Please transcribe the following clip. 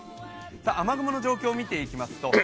雨雲の状況を見ていきますと